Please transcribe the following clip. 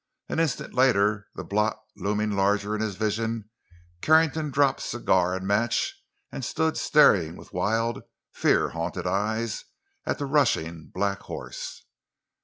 An instant later, the blot looming larger in his vision, Carrington dropped cigar and match and stood staring with wild, fear haunted eyes at the rushing black horse.